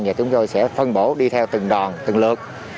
và chúng tôi sẽ phân bổ đi theo từng đòn từng lượt